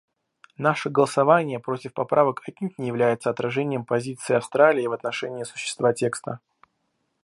Наше голосование против поправок отнюдь не является отражением позиции Австралии в отношении существа текста.